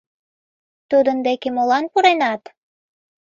— Тудын деке молан пуренат?